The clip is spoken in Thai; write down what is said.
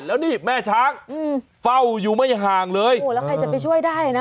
แล้วนี่แม่ช้างอืมเฝ้าอยู่ไม่ห่างเลยโอ้โหแล้วใครจะไปช่วยได้นะ